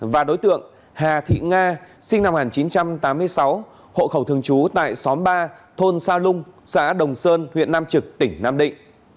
và đối tượng hà thị nga sinh năm một nghìn chín trăm tám mươi sáu hộ khẩu thường trú tại xóm ba thôn sa lung xã đồng sơn huyện nam trực tỉnh nam định